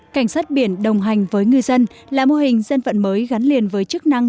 cảnh sát biển đồng hành với ngư dân là mô hình dân vận mới gắn liền với chức năng